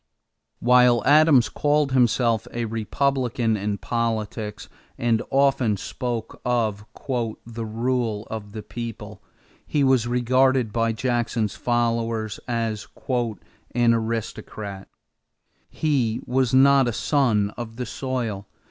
While Adams called himself a Republican in politics and often spoke of "the rule of the people," he was regarded by Jackson's followers as "an aristocrat." He was not a son of the soil.